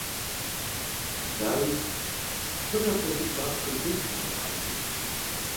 Дауи, лӏыгъэ пхэлъын папщӏэ ухуейщ напэ къабзэ.